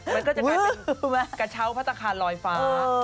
มันก็จะกลายเป็นกระเช้าพัฒนาคารลอยฟ้า